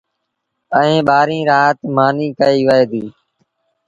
ائيٚݩ ٻآهريٚݩ رآت مآݩيٚ ڪئيٚ وهي ديٚ